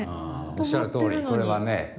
おっしゃるとおりこれはね